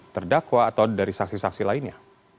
terdakwa atau dari saksi saksi lainnya